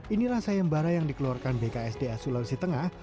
inilah sayang bara yang dikeluarkan bksda sulawesi tengah